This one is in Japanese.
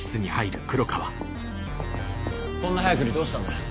こんな早くにどうしたんだ？